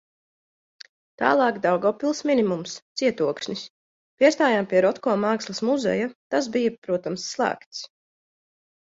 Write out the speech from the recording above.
Tālāk Daugavpils minimums - cietoksnis. Piestājām pie Rotko mākslas muzeja, tas bija, protams, slēgts.